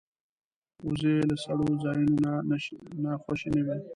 وزې له سړو ځایونو نه خوشې نه وي